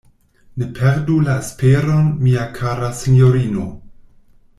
Ne perdu la esperon, mia kara sinjorino!